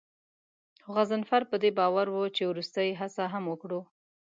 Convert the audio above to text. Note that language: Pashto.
خو غضنفر په دې باور و چې وروستۍ هڅه هم وکړو.